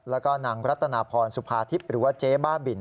แล้วก็นางรัตนาพรสุภาทิพย์หรือว่าเจ๊บ้าบิน